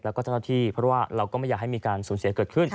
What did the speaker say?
แล้วก็เจ้าหน้าที่เพราะว่าเราก็ไม่อยากให้มีการสูญเสียเกิดขึ้น